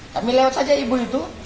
bagaimana ibu itu